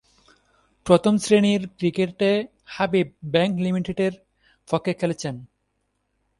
প্রথম-শ্রেণীর ক্রিকেটে হাবিব ব্যাংক লিমিটেডের পক্ষে খেলছেন।